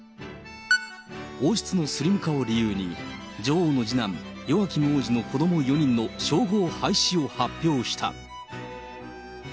王室のスリム化を理由に、女王の次男、ヨアキム王子の子ども４人の称号廃止を発表した。